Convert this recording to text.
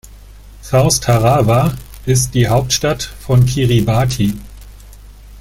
South Tarawa ist die Hauptstadt von Kiribati.